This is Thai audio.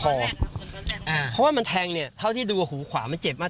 เพราะว่ามันแทงเนี่ยเท่าที่ดูหูขวามันเจ็บมาก